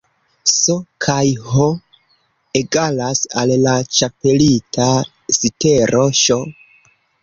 S kaj H egalas al la ĉapelita litero Ŝ